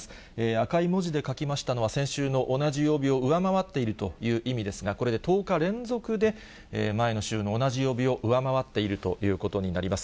赤い文字で書きましたのは、先週の同じ曜日を上回っているという意味ですが、これで１０日連続で、前の週の同じ曜日を上回っているということになります。